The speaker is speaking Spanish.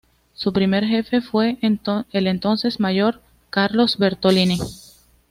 Su primer jefe fue el entonces mayor Carlos Bertolini.